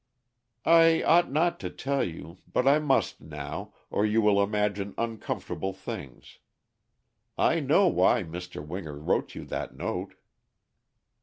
"I ought not to tell you, but I must now, or you will imagine uncomfortable things. I know why Mr. Winger wrote you that note."